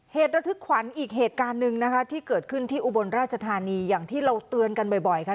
เหตุระทึกขวัญอีกเหตุการณ์หนึ่งนะคะที่เกิดขึ้นที่อุบลราชธานีอย่างที่เราเตือนกันบ่อยค่ะ